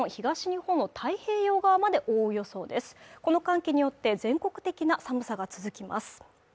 この寒気によって全国的な寒さが続きます